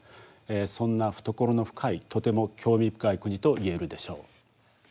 そんな懐の深いとても興味深い国といえるでしょう。